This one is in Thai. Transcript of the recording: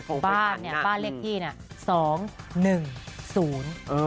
เออบ้านเนี่ยบ้านเลขที่เนี่ย๒๑๐